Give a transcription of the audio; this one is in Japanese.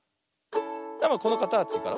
このかたちから。